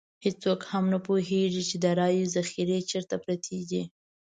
هېڅوک هم نه پوهېږي چې د رایو ذخیرې چېرته پرتې دي.